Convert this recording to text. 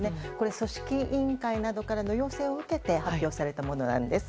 組織委員会などからの要請を受けて発表されたものなんです。